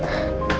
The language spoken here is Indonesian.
saya juga kaget